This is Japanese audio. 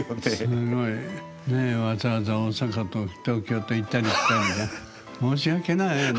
すごい。ねえわざわざ大阪と東京と行ったり来たりで申し訳ないわね。